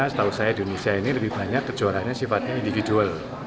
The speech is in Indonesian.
setahu saya di indonesia ini lebih banyak kejuaraannya sifatnya individual